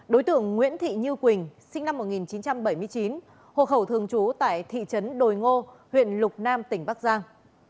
đối tượng nguyễn thị như quỳnh sinh năm một nghìn chín trăm bảy mươi chín hộ khẩu thường trú tại thị trấn đồi ngô huyện lục nam tỉnh bắc giang